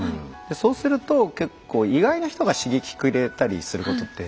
そうすると結構意外な人が刺激くれたりすることって。